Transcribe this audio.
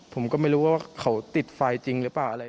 ผมก็ไม่รู้ว่าเขาติดไฟจริงหรือเปล่าอะไร